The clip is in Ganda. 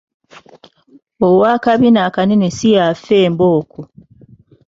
Ow'akabina akanene si y'afa embooko.